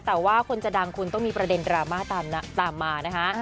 แต่ว่าคนจะดังคุณต้องมีประเด็นดราม่าตามมานะคะ